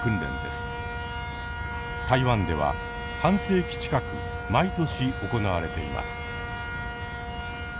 台湾では半世紀近く毎年行われています。